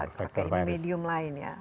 ini medium lain ya